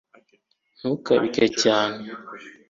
ntukabike cyane